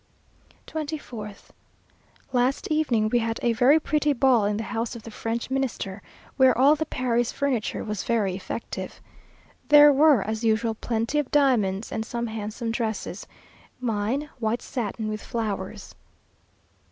24th. Last evening we had a very pretty ball in the house of the French Minister, where all the Paris furniture was very effective. There were as usual plenty of diamonds, and some handsome dresses mine white satin, with flowers.